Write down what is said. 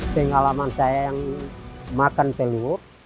pengalaman saya yang makan telur